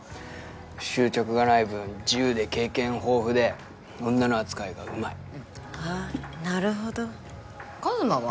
執着がない分自由で経験豊富で女の扱いがうまいあぁなるほど一真は？